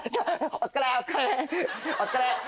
お疲れ！